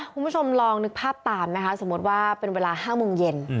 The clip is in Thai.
คุณผู้ชมลองนึกภาพตามนะคะสมมุติว่าเป็นเวลา๕โมงเย็น